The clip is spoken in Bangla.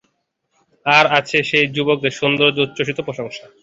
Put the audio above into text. আর আছে সেই যুবকের সৌন্দর্যের উচ্ছ্বসিত প্রশংসা।